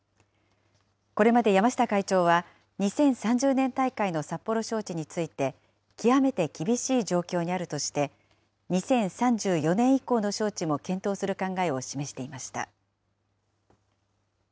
これまで山下会長は、２０３０年大会の札幌招致について、極めて厳しい状況にあるとして、２０３４年以降の招致も検討する考えを示していました。